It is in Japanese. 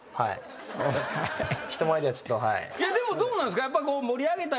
でもどうなんすか？